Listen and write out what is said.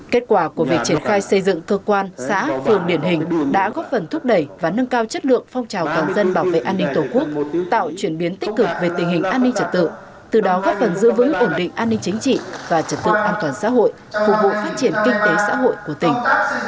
kết quả của việc triển khai xây dựng cơ quan xã phường điển hình đã góp phần thúc đẩy và nâng cao chất lượng phong trào toàn dân bảo vệ an ninh tổ quốc tạo chuyển biến tích cực về tình hình an ninh trật tự từ đó góp phần giữ vững ổn định an ninh chính trị và trật tự an toàn xã hội phục vụ phát triển kinh tế xã hội của tỉnh